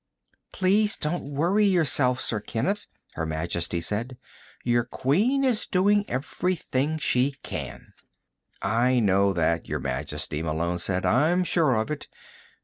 "Please don't worry yourself, Sir Kenneth," Her Majesty said. "Your Queen is doing everything she can." "I know that, Your Majesty," Malone said. "I'm sure of it."